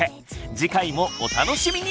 次回もお楽しみに！